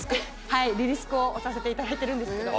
はいリリスクを推させていただいてるんですけど。